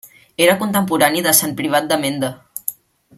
Era contemporani de Sant Privat de Mende.